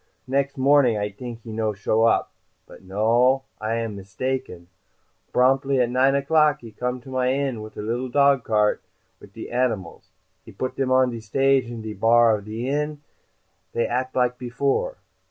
"Next morning, I t'ink he no show up. But no, I am mistaken. Bromptly at nine o'clock he come to my inn with a little dogcart, wit' de animals. He puts dem on de stage in de bar of de inn. They act like before."